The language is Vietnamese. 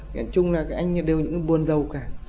nói chung là anh ấy đều những buồn giàu cả